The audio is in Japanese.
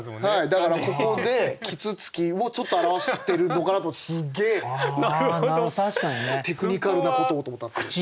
だからここで啄木鳥をちょっと表してるのかなと思ってすっげえテクニカルなことをと思ったんですけど。